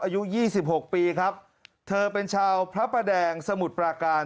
อายุ๒๖ปีครับเธอเป็นชาวพระประแดงสมุทรปราการ